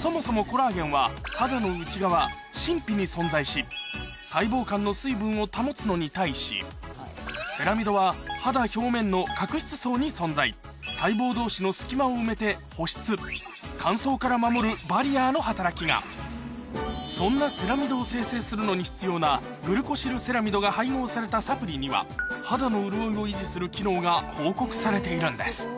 そもそもコラーゲンは肌の内側真皮に存在し細胞間の水分を保つのに対しセラミドは肌表面の角質層に存在乾燥から守るバリアの働きがそんなセラミドを生成するのに必要なグルコシルセラミドが配合されたサプリには肌の潤いを維持する機能が報告されているんです